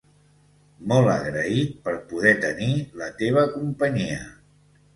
Molt agraït per poder tenir la teva companyia